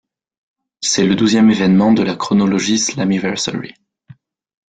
C'est le douzième événement de la chronologie Slammiversary.